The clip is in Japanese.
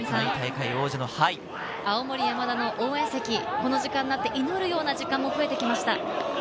青森山田の応援席、この時間になって祈るような時間も増えてきました。